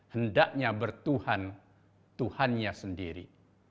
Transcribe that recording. hendaknya bertuhan tuhannya sendiri